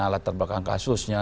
alat terbakar kasusnya